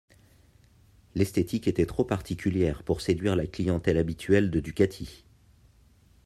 L'esthétique était trop particulière pour séduire la clientèle habituelle de Ducati.